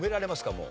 もう。